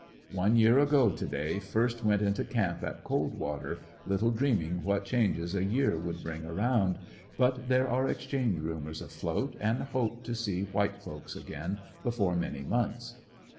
— One year ago to day first went into camp at Coldwater, little dreaming what changes a year would bring around, but there are exchange rumors afloat and hope to see white folks again before many months.